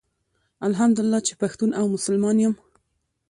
الحمدالله چي پښتون او مسلمان يم